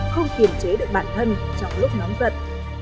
không kiềm chế được bản thân trong lúc nóng giận